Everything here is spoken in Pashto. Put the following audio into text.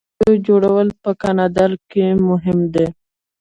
د کښتیو جوړول په کاناډا کې مهم و.